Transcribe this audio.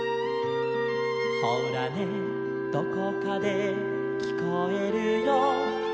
「ほらねどこかできこえるよ」